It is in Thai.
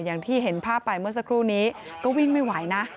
อย่างที่เห็นภาพไปเมื่อสักครู่นี้ก็วิ่งไม่ไหวนะ